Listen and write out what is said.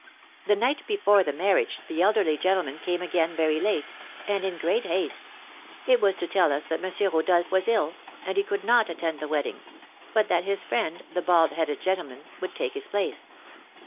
"The night before the marriage the elderly gentleman came again very late, and in great haste, it was to tell us that M. Rodolph was ill, and could not attend the wedding, but that his friend, the bald headed gentleman, would take his place.